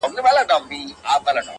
سیاه پوسي ده اوښکي نڅېږي